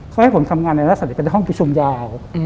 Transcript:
เขาให้ผมทำงานในลักษณะที่เป็นห้องประชุมยาว